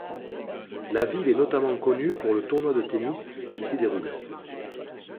La ville est notamment connue pour le tournoi de tennis qui s’y déroule.